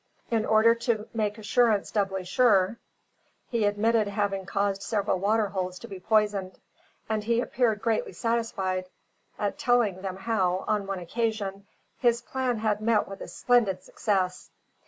In order to make assurance doubly sure, he admitted having caused several water holes to be poisoned; and he appeared greatly satisfied at telling them how, on one occasion, his plan had met with a splendid success.